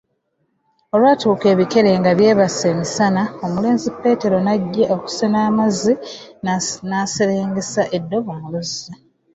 Olwatuuka ebikere nga byebase emisana, omulenzi Petero n'ajja okusena amazzi, n'aserengesa endobo mu luzzi.